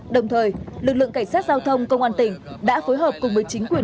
đồng thời lực lượng cảnh sát giao thông công an tỉnh đã phối hợp cùng với chính quyền